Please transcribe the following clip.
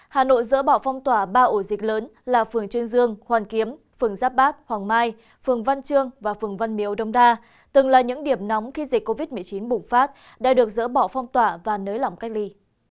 hà nội dỡ bỏ phong tỏa ba ổ dịch lớn là phường trương dương hoàn kiếm phường giáp bát hoàng mai phường văn chương và phường văn miếu đông đa từng là những điểm nóng khi dịch covid một mươi chín bùng phát đã được dỡ bỏ phong tỏa và nới lỏng cách ly